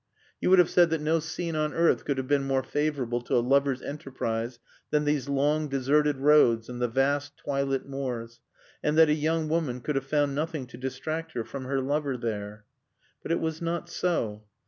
You would have said that no scene on earth could have been more favorable to a lover's enterprise than these long, deserted roads and the vast, twilit moors; and that a young woman could have found nothing to distract her from her lover there. But it was not so.